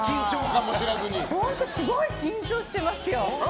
本当すごい緊張してますよ。